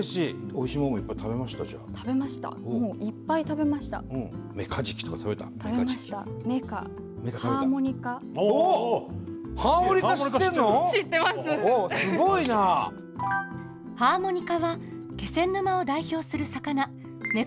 何回も食べましたハーモニカ。